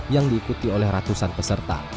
yang diikuti oleh ratusan peserta